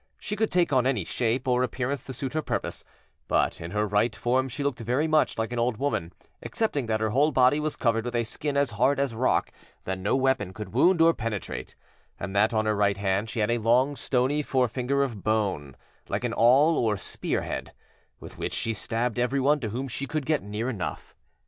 She could take on any shape or appearance to suit her purpose, but in her right form she looked very much like an old woman, excepting that her whole body was covered with a skin as hard as a rock that no weapon could wound or penetrate, and that on her right hand she had a long, stony forefinger of bone, like an awl or spearhead, with which she stabbed everyone to whom she could get near enough.